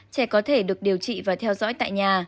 trẻ có thể được điều trị và theo dõi tại nhà